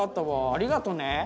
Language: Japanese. ありがとね。